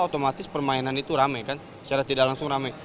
otomatis permainan itu rame secara tidak langsung rame